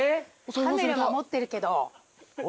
カメラは持ってるけど。